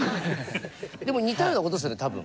でも似たようなことですよね多分。